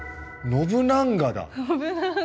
ノブナンガ。